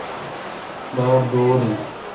باڑ دور این۔